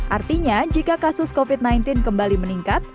artinya jika kasus covid sembilan belas kembali meningkat